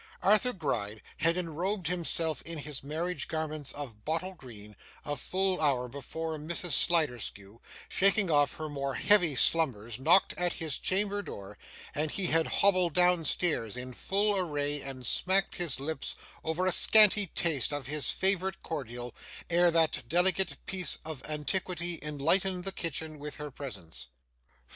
Arthur Gride had enrobed himself in his marriage garments of bottle green, a full hour before Mrs. Sliderskew, shaking off her more heavy slumbers, knocked at his chamber door; and he had hobbled downstairs in full array and smacked his lips over a scanty taste of his favourite cordial, ere that delicate piece of antiquity enlightened the kitchen with her presence.